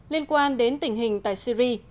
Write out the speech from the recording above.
liên quan đến tình hình tại syri